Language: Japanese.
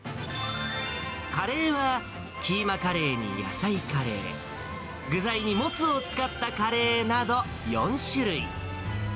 カレーは、キーマカレーに野菜カレー、具材にモツを使ったカレーなど、４種類。